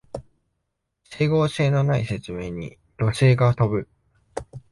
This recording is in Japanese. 整合性のない説明に怒声が飛ぶ